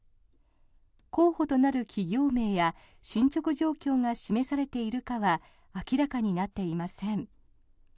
候補となる企業名や進ちょく状況が示されているかは明らかになっていません。